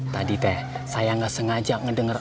tadi teh saya gak sengaja ngedenger